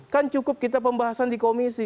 kan cukup kita pembahasan di komisi